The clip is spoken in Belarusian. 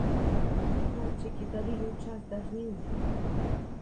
Выкладчыкі далі ёй час да жніўня.